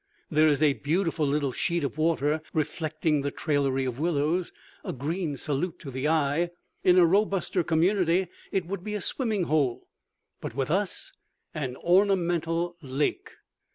There is a beautiful little sheet of water, reflecting the trailery of willows, a green salute to the eye. In a robuster community it would be a swimming hole but with us, an ornamental lake.